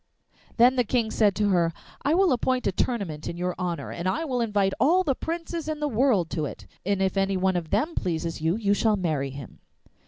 Then the King said to her, 'I will appoint a tournament in your honour, and I will invite all the princes in the world to it, and if any one of them pleases you, you shall marry him.